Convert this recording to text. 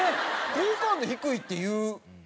好感度低いっていう事じゃ。